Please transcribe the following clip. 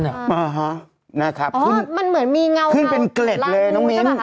อ๋อมันเหมือนมีเงาล้างงูใช่ไหมคะขึ้นเป็นเกล็ดเลยน้องมิ้น